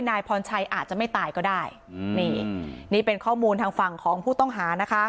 นายพรชัยอาจจะไม่ตายก็ได้อืมนี่นี่เป็นข้อมูลทางฝั่งของผู้ต้องหานะคะ